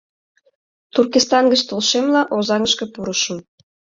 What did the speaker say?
Туркестан гыч толшемла, Озаҥышке пурышым.